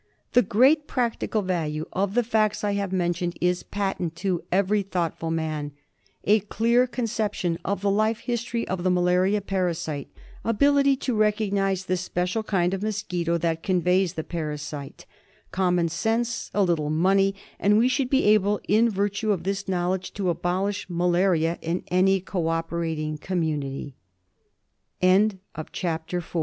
The great practical value of the facts I have men tioned is patent to every thoughtful man. A clear conception of the life history of the malaria parasite, ability to recognise the special kind of mosquito that conveys the parasite, common sense, a little money, and we should be able in virtue of this knowledge to abolish malaria in any c